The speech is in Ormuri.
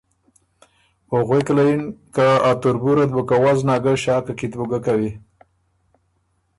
او غوېکه له یِن که ”ا تُربُورت بُو که وزنا ګۀ، ݭاکه کی ت بُو ګۀ کوی“